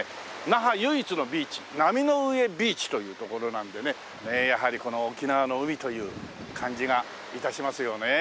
那覇唯一のビーチ波の上ビーチという所なんでねやはりこの沖縄の海という感じが致しますよね。